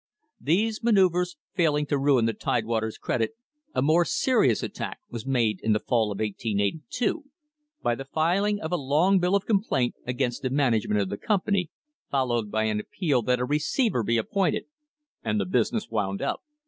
These manoeuvres failing to ruin the Tidewater's credit, a more serious attack was made in the fall of 1882, by the filing of a long bill of complaint against the management of the company, followed by an appeal that a receiver be ap pointed and the business wound up.